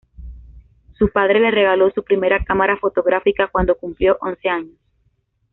Su padre le regaló su primera cámara fotográfica cuando cumplió once años.